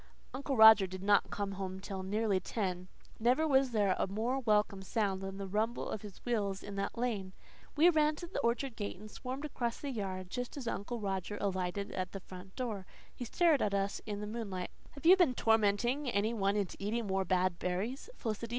Uncle Roger did not come until nearly ten. Never was there a more welcome sound than the rumble of his wheels in the lane. We ran to the orchard gate and swarmed across the yard, just as Uncle Roger alighted at the front door. He stared at us in the moonlight. "Have you tormented any one into eating more bad berries, Felicity?"